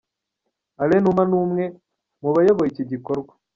Alain Numa ni umwe mu bayoboye iki gikorwa.